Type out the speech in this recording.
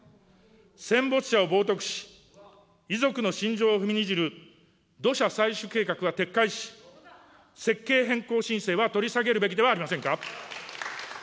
戦没者を冒とくし、遺族の心情を踏みにじる土砂採取計画は撤回し、設計変更申請は取り下げるべきではありませんか。